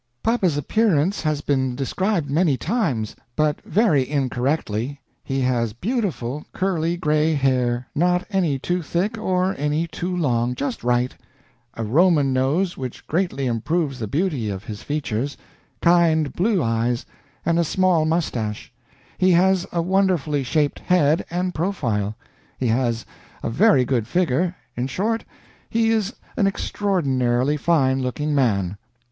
Papa's appearance has been described many times, but very incorrectly; he has beautiful, curly, gray hair, not any too thick or any too long, just right; a Roman nose, which greatly improves the beauty of his features, kind blue eyes, and a small mustache; he has a wonderfully shaped head and profile; he has a very good figure in short, is an extraordinarily fine looking man."